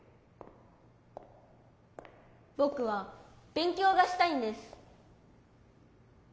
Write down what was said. ぼくはべん強がしたいんです。